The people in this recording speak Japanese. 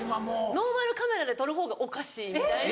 ノーマルカメラで撮る方がおかしいみたいな。